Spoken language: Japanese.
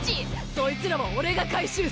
そいつらは俺が回収する。